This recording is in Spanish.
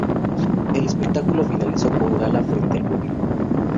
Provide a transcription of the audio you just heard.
El espectáculo finalizó con Gaga frente al público.